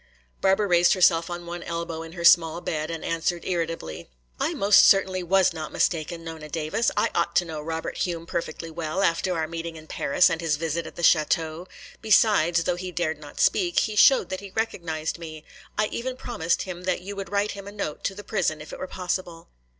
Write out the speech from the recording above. Barbara raised herself on one elbow in her small bed and answered irritably: "I most certainly was not mistaken, Nona Davis. I ought to know Robert Hume perfectly well after our meeting in Paris and his visit at the chateau. Besides, though he dared not speak, he showed that he recognized me. I even promised him that you would write him a note to the prison if it were possible."